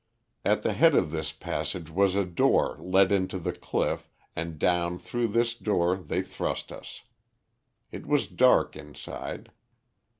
At the head of this passage was a door let into the cliff and down through this door they thrust us. It was dark inside.